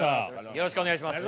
よろしくお願いします。